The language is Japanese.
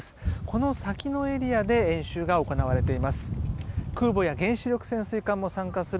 この先のエリアで演習が行われています。